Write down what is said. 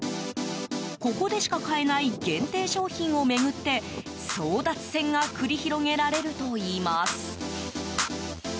ここでしか買えない限定商品を巡って争奪戦が繰り広げられるといいます。